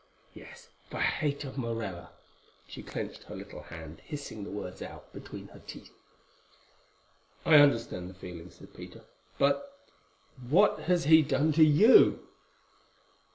Yes, for hate of Morella," and she clenched her little hand, hissing the words out between her teeth. "I understand the feeling," said Peter. "But—but what has he done to you?"